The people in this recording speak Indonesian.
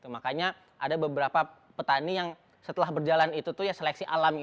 makanya ada beberapa petani yang setelah berjalan itu seleksi alam